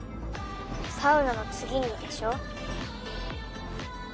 サウナの次にでしょ？